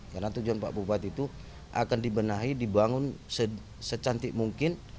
karena tujuan pak bupati itu akan dibenahi dibangun secantik mungkin